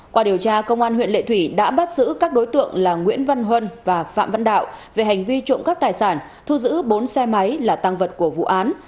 qua điều tra công an huyện lệ thủy đã bắt giữ các đối tượng là nguyễn văn huân và phạm văn đạo về hành vi trộm cắp tài sản thu giữ bốn xe máy là tăng vật của vụ án